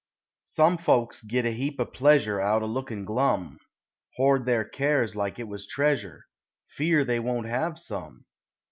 Some folks git a heap o' pleasure Out o' lookin' glum; Hoard their cares like it was treasure Fear they won't have some.